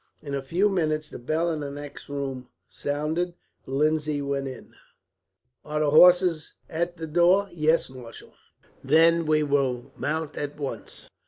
In a few minutes the bell in the next room sounded. Lindsay went in. "Are the horses at the door?" "Yes, marshal." "Then we will mount at once.